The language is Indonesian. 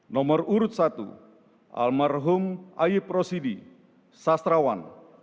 nomor urut satu almarhum ayip rosidi sastrawan